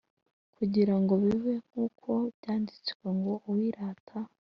kugira ngo bibe nk uko byanditswe ngo uwirata